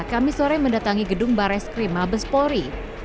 kami sore mendatangi gedung bares krim abespori